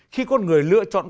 khi con người lựa chọn